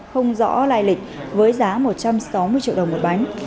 không rõ lai lịch với giá một trăm sáu mươi triệu đồng một bánh